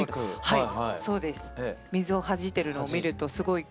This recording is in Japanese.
はい。